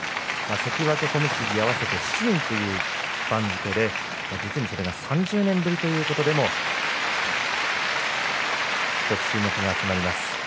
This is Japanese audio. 関脇、小結合わせて７人という番付で、実にそれが３０年ぶりということでも注目が集まります。